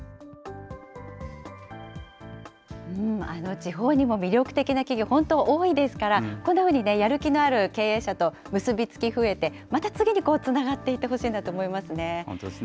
地方にも魅力的な企業、本当多いですから、こんなふうにやる気のある経営者と結び付き増えて、また次につながっていってほしいなと思いますね。